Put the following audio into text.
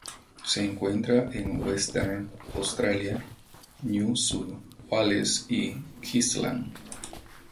Se encuentra en Western Australia, New South Wales y Queensland.